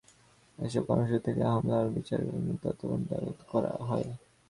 এসব কর্মসূচি থেকে হামলার ঘটনার বিচার বিভাগীয় তদন্ত দাবি করা হয়।